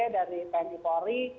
dari tni polri